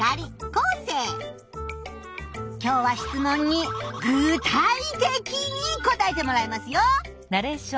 今日は質問に具体的に答えてもらいますよ！